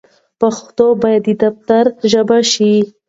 پښتو بايد د دفتر ژبه شي.